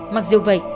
mặc dù vậy